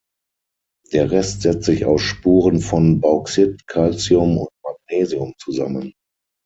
Der Rest setzt sich aus Spuren von Bauxit, Calcium und Magnesium zusammen.